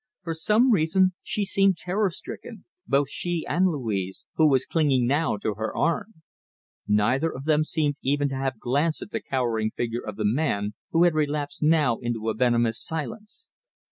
For some reason she seemed terror stricken, both she and Louise, who was clinging now to her arm. Neither of them seemed even to have glanced at the cowering figure of the man, who had relapsed now into a venomous silence.